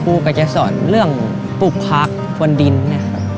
คูกะจะสอนเรื่องปลูกผักควนนินเนี่ยครับ